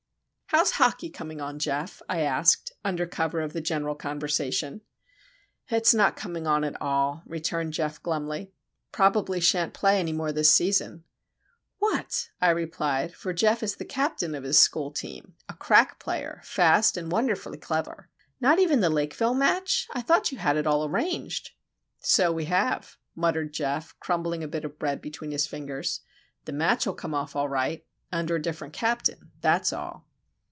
"How's hockey coming on, Geof?" I asked, under cover of the general conversation. "It's not coming on at all," returned Geof, glumly. "Probably shan't play any more this season." "What!" I replied, for Geof is captain of his school team, a crack player, fast, and wonderfully clever. "Not even the Lakeville match? I thought you had it all arranged!" "So we have," muttered Geof, crumbling a bit of bread between his fingers. "The match'll come off, all right;—under a different captain, that's all."